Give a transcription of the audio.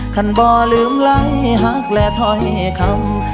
คันบ่อลืมไหลหักและถอยคำ